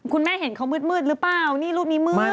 คุณแม่เห็นเขามืดหรือเปล่านี่รูปนี้มืด